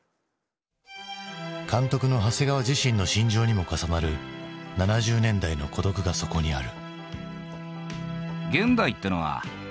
監督の長谷川自身の心情にも重なる７０年代の孤独がそこにある。